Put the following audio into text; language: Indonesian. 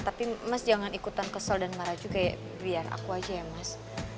tapi mas jangan ikutan kesel dan marah juga ya biar aku aja ya mas